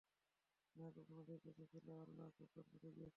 না কখনো দেরিতে এসেছিলেন, আর না খুব তাড়াতাড়ি গিয়েছিলেন।